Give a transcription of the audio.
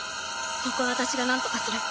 ここは私がなんとかする。